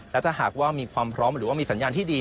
และถ้าหากว่ามีความพร้อมหรือว่ามีสัญญาณที่ดี